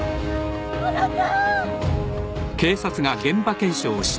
あなた！